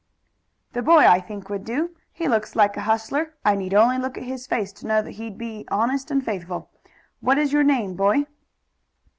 "The boy, I think, would do. He looks like a hustler. I need only look at his face to know that he'd be honest and faithful. What is your name, boy?"